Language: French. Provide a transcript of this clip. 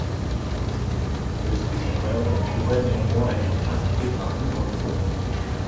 Le ski sur herbe pourrait néanmoins être pratiqué partout dans le monde.